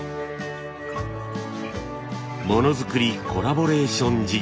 ものづくりコラボレーション事業。